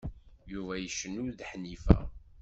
Yuba ad yecnu d Ḥnifa.